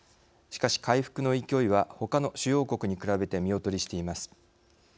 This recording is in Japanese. しかし回復の勢いはほかの主要国に比べて見劣りしています。